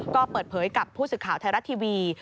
ก็เปิดเผยกับผู้สื่อข่าวไทยรัฐทีวี